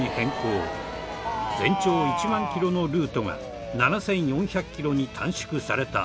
全長１万キロのルートが７４００キロに短縮された。